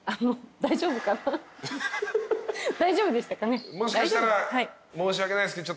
大丈夫でしたかね？